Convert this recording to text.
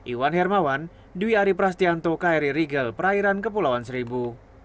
iwan hermawan dwi ari prastianto kri rigel perairan kepulauan seribu